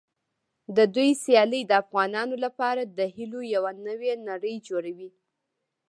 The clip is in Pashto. د دوی سیالۍ د افغانانو لپاره د هیلو یوه نوې نړۍ جوړوي.